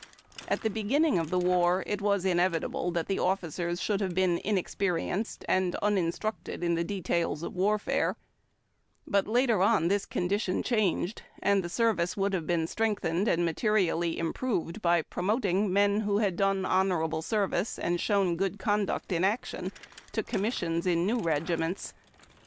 At the beginning of the war it was inevitable that the officers should have been inexperi enced and uninstructed in the de tails of warfare, but later this con dition changed, and the service would have been strengthened and materiall}" improved by promoting men who had done honorable ser vice and shown good conduct in action, to commissions in new regi ments.